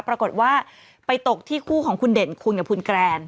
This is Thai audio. ปรากฏว่าไปตกที่คู่ของคุณเด่นคุณกับคุณแกรน